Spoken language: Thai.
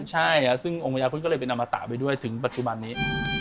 ใช่ซึ่งองค์พญาพุทธก็เลยเป็นอมตะไปด้วยถึงปัจจุบันนี้